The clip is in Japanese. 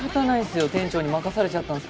店長に任されちゃったんですから。